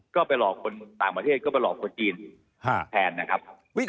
ก็ไปหลอกคนต่างประเทศก็ไปหลอกคนจีนแทนนะครับ